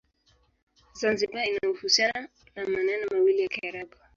Zanzibar ina uhusiano na maneno mawili ya Kiarabu.